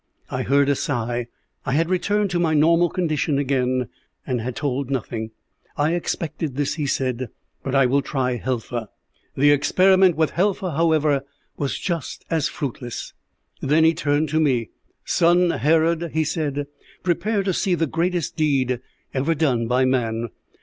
"I heard a sigh. I had returned to my normal condition again, and had told nothing. "'I expected this,' he said, 'but I will try Helfa.' "The experiment with Helfa, however, was just as fruitless. "Then he turned to me. 'Son Herod,' he said, 'prepare to see the greatest deed ever done by man.